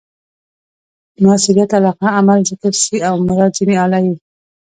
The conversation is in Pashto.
مؤثریت علاقه؛ عمل ذکر سي او مراد ځني آله يي.